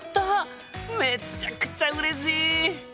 めっちゃくちゃうれしい！